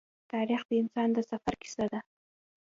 تاریخ د انسان د سفر کیسه ده.